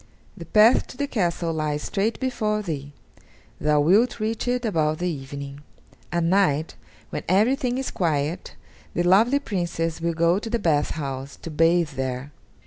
The path to the castle lies straight before thee; thou wilt reach it about the evening. At night, when everything is quiet, the lovely Princess will go to the bath house, to bathe there.